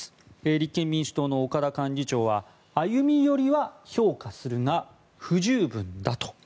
立憲民主党の岡田幹事長は歩み寄りは評価するが不十分だと。